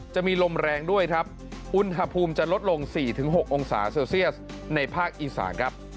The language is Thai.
จะมีลมแรงด้วยครับอุณหภูมิจะลดลง๔๖องศาเซลเซียสในภาคอีสานครับ